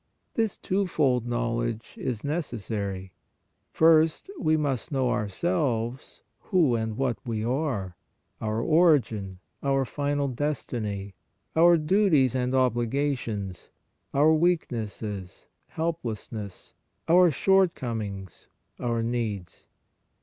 This two fold knowledge is necessary. First, we must know ourselves, who and what we are, our origin, our final destiny, our duties and obligations, our weaknesses, helplessness, our shortcomings, our needs.